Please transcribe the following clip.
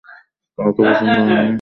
কাউকে পছন্দ হয়নি?